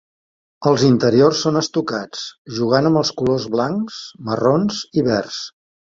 Els interiors són estucats, jugant amb els colors blancs, marrons i verds.